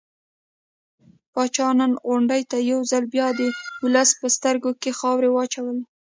پاچا نن غونډې ته يو ځل بيا د ولس په سترګو کې خاورې واچولې.